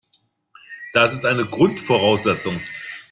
Das ist eine Grundvoraussetzung.